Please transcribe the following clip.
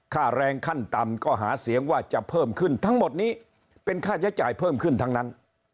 ค่าแรงขั้นต่ำก็หาเสียงว่าจะเพิ่มขึ้นทั้งหมดนี้เป็นค่าใช้จ่ายเพิ่มขึ้นทั้งนั้น